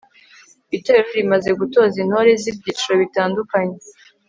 itorero rimaze gutoza intore z'ibyiciro bitandukanye